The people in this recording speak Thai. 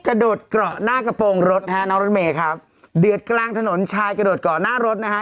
กระโดดเกาะหน้ากระโปรงรถฮะน้องรถเมย์ครับเดือดกลางถนนชายกระโดดเกาะหน้ารถนะฮะ